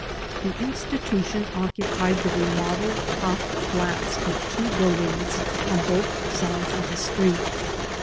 The institution occupied the remodeled top flats oi two buildings on both sides of the street.